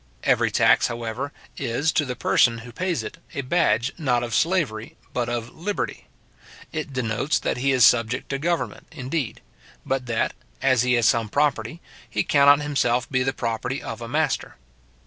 Every tax, however, is, to the person who pays it, a badge, not of slavery, but of liberty. It denotes that he is subject to government, indeed; but that, as he has some property, he cannot himself be the property of a master.